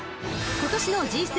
［今年のＧⅢ